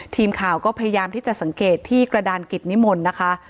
ทีมข่าวก็พยายามที่จะสังเกตที่กระดานกิจนิมนต์นะคะ